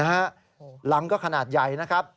หลังก็ขนาดใหญ่นะครับ